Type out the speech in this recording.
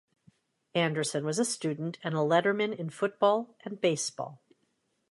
Anderson was a student and a letterman in football and baseball.